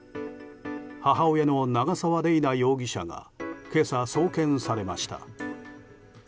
母親の長澤麗奈容疑者が今朝送検されました。